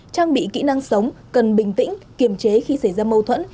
trang bị kỹ năng sống cần bình tĩnh kiềm chế khi xảy ra mâu thuẫn